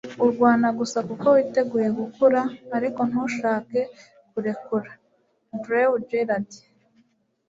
urwana gusa kuko witeguye gukura ariko ntushake kurekura - drew gerald